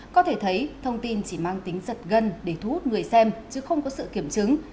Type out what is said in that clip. có thể thấy thông tin chỉ mang tính giật gân để thu hút người xem chứ không có sự kiểm chứng